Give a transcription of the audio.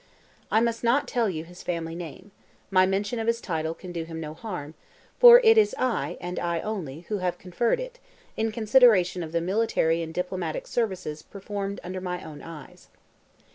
I must not tell you his family name; my mention of his title can do him no harm, for it is I, and I only, who have conferred it, in consideration of the military and diplomatic services performed under my own eyes.